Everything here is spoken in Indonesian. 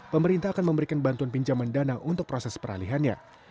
pemerintah akan memberikan bantuan pinjaman dana untuk proses peralihannya